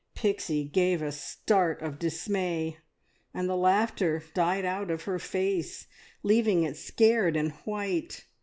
Pixie gave a start of dismay, and the laughter died out of her face, leaving it scared and white.